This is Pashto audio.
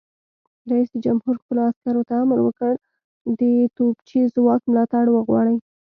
رئیس جمهور خپلو عسکرو ته امر وکړ؛ د توپچي ځواک ملاتړ وغواړئ!